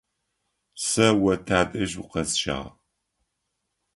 Сэ о тадэжь укъэсщагъ.